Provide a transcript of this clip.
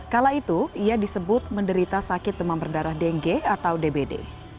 kala itu ia disebut menderita sakit demam berdarah dengue atau dbd